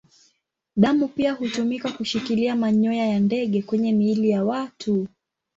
Damu pia hutumika kushikilia manyoya ya ndege kwenye miili ya watu.